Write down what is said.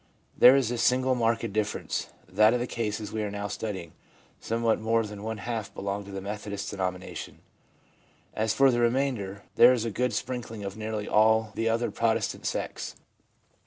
There is this single marked difference, that of the cases we are now studying, somewhat more than one half belong to the Methodist denomination ; as for the remainder, there is a good sprinkling of nearly all of the other Protestant sects.